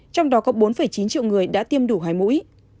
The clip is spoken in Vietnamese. trong đó có bốn chín triệu người đã tiêm đủ hai mũi